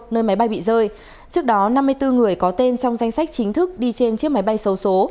nơi máy bay bị rơi trước đó năm mươi bốn người có tên trong danh sách chính thức đi trên chiếc máy bay sâu số